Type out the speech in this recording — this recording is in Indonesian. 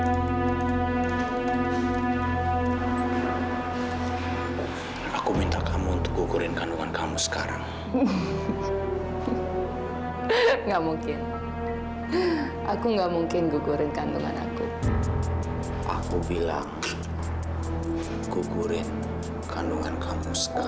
sampai jumpa di video selanjutnya